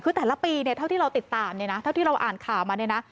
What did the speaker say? คือแต่ละปีอย่างที่เราติดตามที่เราอ่านข่าวมา